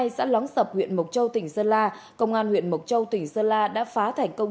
xã lóng sập huyện mộc châu tỉnh sơn la công an huyện mộc châu tỉnh sơn la đã phá thành công